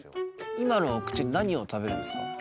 今の口で何を食べるんですか？